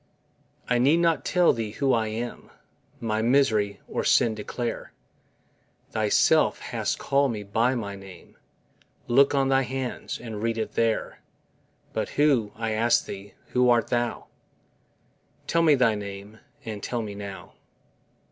I need not tell Thee who I am, My misery, or sin declare, Thyself hast call'd me by my name, Look on thy hands, and read it there, But who, I ask Thee, who art Thou? Tell me thy name, and tell me now.